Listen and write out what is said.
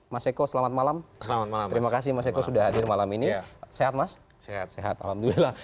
mas eko selamat malam selamat malam terima kasih mas eko sudah hadir malam ini sehat mas sehat sehat alhamdulillah